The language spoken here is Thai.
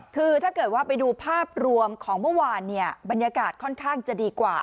คือถ้าเกิดว่าไปดูภาพรวมของเมื่อวานเนี่ยบรรยากาศค่อนข้างจะดีกว่า